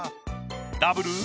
ダブル？